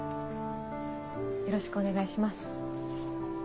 よろしくお願いします。